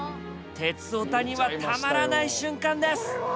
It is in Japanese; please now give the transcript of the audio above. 鉄オタにはたまらない瞬間です！